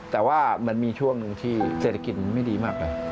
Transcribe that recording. แต่ว่ามันมีช่วงหนึ่งที่เศรษฐกิจไม่ดีมากเลย